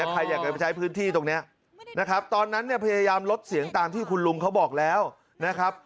ใครอยากจะไปใช้พื้นที่ตรงนี้นะครับตอนนั้นเนี่ยพยายามลดเสียงตามที่คุณลุงเขาบอกแล้วนะครับ